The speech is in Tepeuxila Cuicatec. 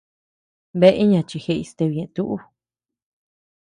Bea iña chi jeʼey stebe ñeʼe tuʼu.